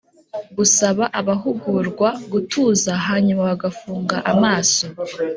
Gusaba abahugurwa gutuza hanyuma bagafunga amaso